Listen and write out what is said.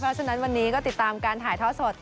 เพราะฉะนั้นวันนี้ก็ติดตามการถ่ายทอดสด